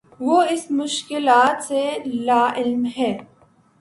وہ اس کی مشکلات سے لاعلم ہے